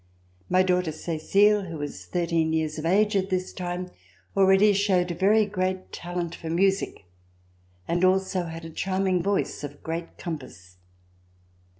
iMy daughter Cecile, who was thirteen years of age at this time, already showed very great talent for music and also had a charming voice of great compass.